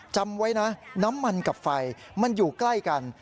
จำไว้นะน้ำมันกับไฟมันอยู่ใกล้กัน